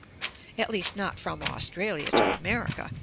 At least not from Australia to America.